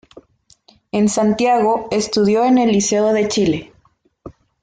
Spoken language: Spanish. En Santiago estudió en el Liceo de Chile.